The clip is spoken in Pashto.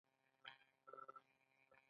څنګه کولی شم د ملګرو سره اړیکې ښې کړم